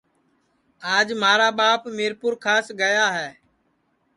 آج مھارا ٻاپ میرپُورکاس گیا ہے